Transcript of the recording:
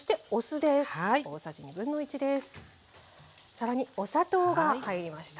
更にお砂糖が入りました。